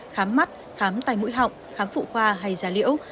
khám mắt khám tài mũi họng khám phụ khoa hay giả liễu